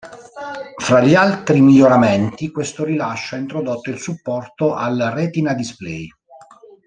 Fra altri miglioramenti, questo rilascio ha introdotto il supporto al Retina Display.